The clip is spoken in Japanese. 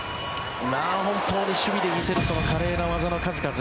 本当に守備で見せるその華麗な技の数々。